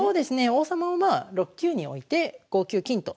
王様を６九に置いて５九金と。